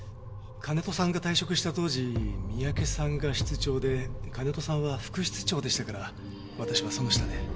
金戸さんが退職した当時三宅さんが室長で金戸さんは副室長でしたから私はその下で。